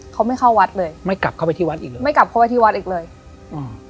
เขาไม่เข้าวัดเลยไม่กลับเข้าไปที่วัดอีกเลยไม่กลับเข้าไปที่วัดอีกเลยอืม